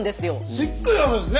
しっかりあるんですね